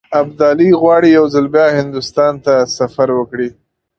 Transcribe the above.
ابدالي غواړي یو ځل بیا هندوستان ته سفر وکړي.